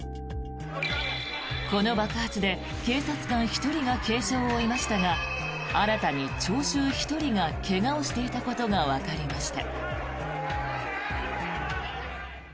この爆発で警察官１人が軽傷を負いましたが新たに聴衆１人が怪我をしていたことがわかりました。